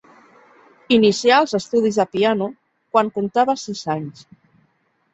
Inicià els estudis de piano, quan contava sis anys.